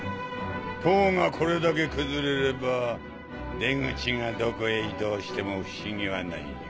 塔がこれだけ崩れれば出口がどこへ移動しても不思議はないにゃ。